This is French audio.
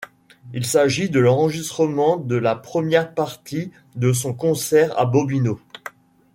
Il s’agit de l’enregistrement de la première partie de son concert à Bobino.